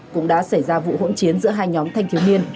cũng đã xảy ra vụ hỗn chiến giữa hai nhóm thanh thiếu niên